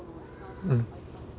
うん。